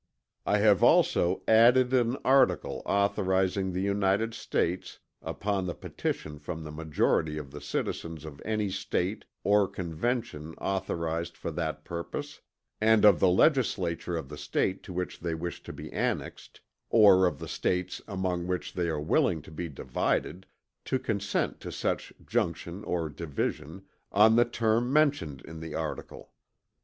I have also added an article authorizing the United States, upon the petition from the majority of the citizens of any State or convention authorized for that purpose, and of the legislature of the State to which they wish to be annexed, or of the States among which they are willing to be divided, to consent to such junction or division, on the term mentioned in the article.